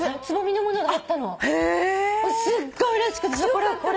つぼみのものがあったの。